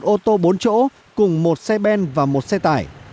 một ô tô bốn chỗ cùng một xe bên và một xe tải